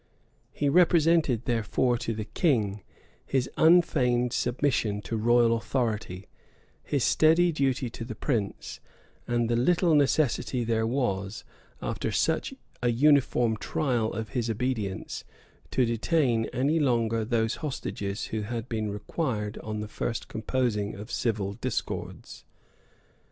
He represented, therefore, to the king his unfeigned submission to royal authority, his steady duty to his prince, and the little necessity there was, after such a uniform trial of his obedience, to detain any longer those hostages, who had been required on the first composing of civil discords.